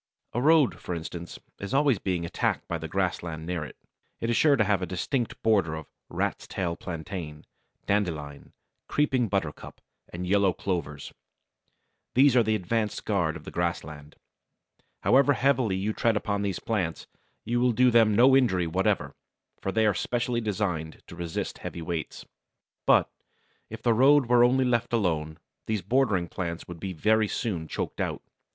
A road, for instance, is always being attacked by the grassland near it. It is sure to have a distinct border of Rat's Tail Plantain, Dandelion, Creeping Buttercup, and Yellow Clovers. These are the advanced guard of the grassland. However heavily you tread upon these plants, you will do them no injury whatever, for they are specially designed to resist heavy weights. But, if the road were only left alone, these bordering plants would be very soon choked out.